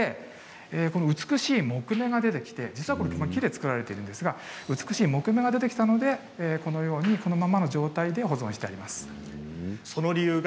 木目が出てきて木で作られているんですが美しい木目が出てきたのでこのままの状態で保存しています。